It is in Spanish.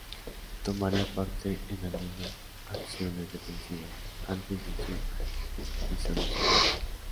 Tomaría parte en algunas acciones defensivas, antes de su disolución.